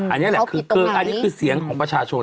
อันนี้แหละคือเสียงของประชาชน